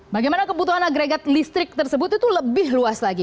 bagaimana kebutuhan agregat listrik tersebut itu lebih luas lagi